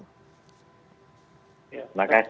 terima kasih pak